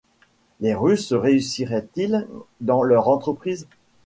Les Russes réussiraient-ils dans leur entreprise?